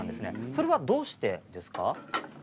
それはどうしてですか。